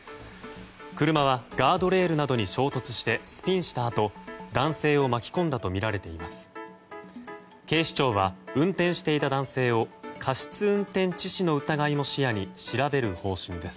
車はガードレールなどに衝突してスピンしたあと男性を巻き込んだとみられています。